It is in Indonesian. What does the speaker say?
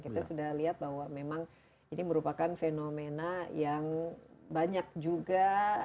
kita sudah lihat bahwa memang ini merupakan fenomena yang banyak juga